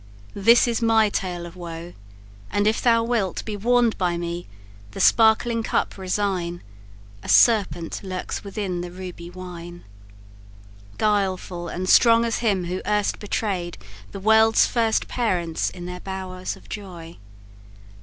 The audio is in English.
This is my tale of woe; and if thou wilt Be warn'd by me, the sparkling cup resign; A serpent lurks within the ruby wine, Guileful and strong as him who erst betray'd The world's first parents in their bowers of joy.